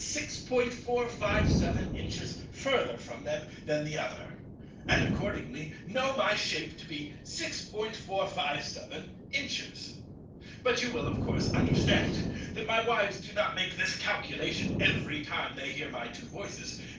457 inches further from them than the other, and accordingly know my shape to be 6.457 inches. But you will of course understand that my wives do not make this calculation every time they hear my two voices.